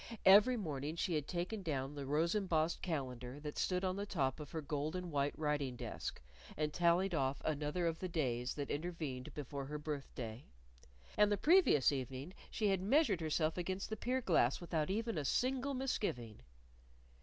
Every morning she had taken down the rose embossed calendar that stood on the top of her gold and white writing desk and tallied off another of the days that intervened before her birthday. And the previous evening she had measured herself against the pier glass without even a single misgiving.